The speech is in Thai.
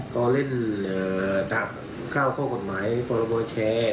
ก็เล่นดักเข้าข้อกฎหมายพรบแชร์